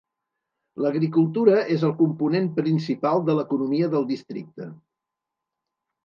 L'agricultura és el component principal de l'economia del districte.